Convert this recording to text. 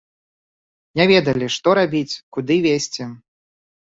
Не ведалі, што рабіць, куды весці.